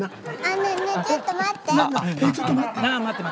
えっ「ちょっと待って」。